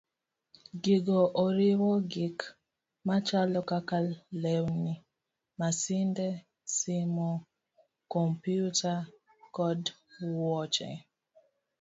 Gigo oriwo gik machalo kaka lewni, masinde, simo, kompyuta, kod wuoche.